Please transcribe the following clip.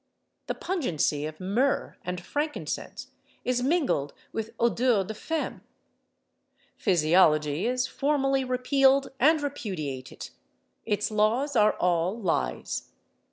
The pungency of myrrh and frankincense is mingled with odeur de femme. Physiology is formally repealed and repudiated; its laws are all lies.